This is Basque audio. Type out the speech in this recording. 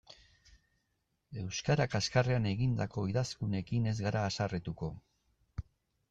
Euskara kaxkarrean egindako idazkunekin ez gara haserretuko.